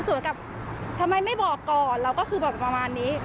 เหมือนกับทำไมไม่บอกก่อนเราก็คือแบบประมาณนี้